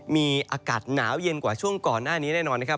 มีอากาศหนาวเย็นกว่าช่วงก่อนหน้านี้แน่นอนนะครับ